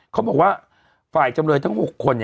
เขาบอกว่าฝ่ายจำเลยทั้ง๖คน